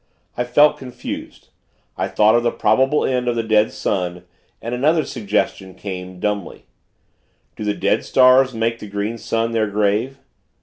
I felt confused. I thought of the probable end of the dead sun, and another suggestion came, dumbly Do the dead stars make the Green Sun their grave?